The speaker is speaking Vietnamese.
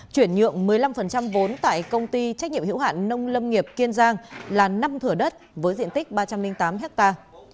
chuyển nhượng một mươi năm vốn tại công ty trách nhiệm hiệu hạn nông lâm nghiệp kiên giang là năm thửa đất với diện tích ba trăm linh tám hectare